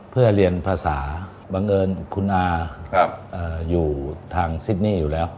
เพื่อเรียนภาษาบังเอิญคุณอาอยู่ทางซิดนี่อยู่แล้ว